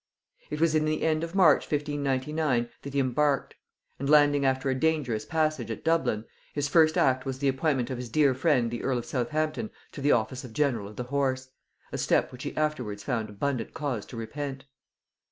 It was in the end of March 1599 that he embarked; and landing after a dangerous passage at Dublin, his first act was the appointment of his dear friend the earl of Southampton to the office of general of the horse; a step which he afterwards found abundant cause to repent.